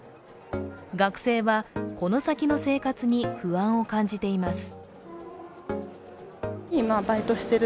学生は、この先の生活に不安を感じています。